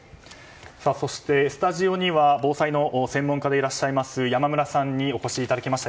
そして、スタジオには防災の専門家でいらっしゃいます山村さんにお越しいただきました。